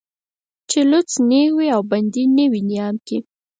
چې لوڅ تېغ وي او بندي نه وي نيام کې